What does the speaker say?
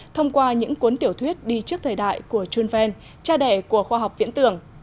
thông qua những cuốn tiểu thuyết đi trước thời đại của junvan cha đẻ của khoa học viễn tưởng